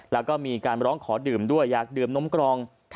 แล้วก็มีการร้องขอดื่มด้วยอยากดื่มนมกรอง